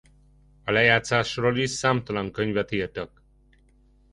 A lejátszásról is számtalan könyvet írtak.